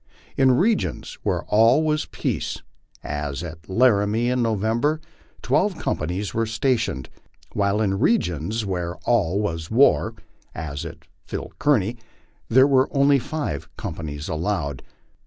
" In re gions where all was peace, as at Laramie in November, twelve cojnpanies were stationed ; while in regions where all was war, as at Phil Kearny, there were only five companies allowed."